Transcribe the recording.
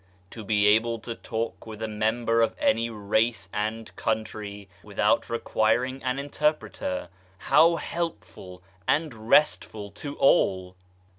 To be able to talk with a member of any race and country without requiring an interpreter, how helpful and restful to all!